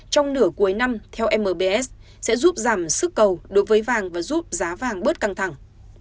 trong nửa cuối năm theo mbs sẽ giúp giảm sức cầu đối với vàng và giúp giá vàng bớt căng thẳng